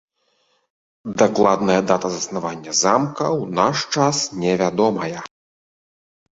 Дакладная дата заснавання замка ў наш час невядомая.